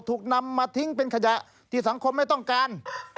ถูกนำมาทิ้งเป็นขยะที่สังคมไม่ต้องการ